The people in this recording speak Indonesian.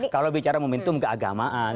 kalau bicara momentum keagamaan